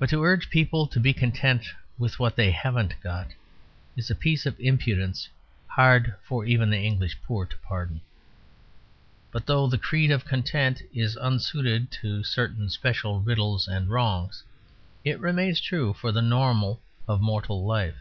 But to urge people to be content with what they haven't got is a piece of impudence hard for even the English poor to pardon. But though the creed of content is unsuited to certain special riddles and wrongs, it remains true for the normal of mortal life.